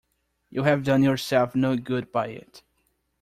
You have done yourself no good by it.